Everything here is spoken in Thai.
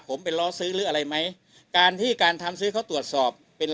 ผมไปล้อซื้อหรืออะไรไหมการที่การทำซื้อเขาตรวจสอบเป็น